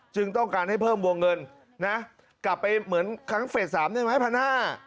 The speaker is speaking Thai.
ต้องการให้เพิ่มวงเงินนะกลับไปเหมือนครั้งเฟสสามได้ไหมพันห้า